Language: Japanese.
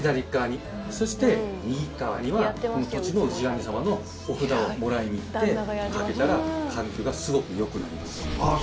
そして右側にはこの土地の氏神さまのお札をもらいに行って掛けたら環境がすごく良くなります。